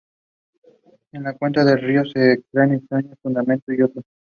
En la cuenca del río se extraen estaño, tungsteno y oro.